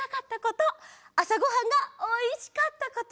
あさごはんがおいしかったこと。